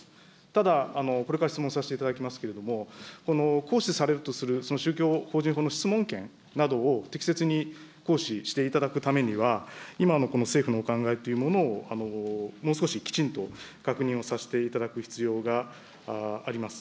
ただ、これから質問させていただきますけれども、行使されるとする宗教法人法の質問権などを適切に行使していただくためには、今のこの政府のお考えというものを、もう少しきちんと確認をさせていただく必要があります。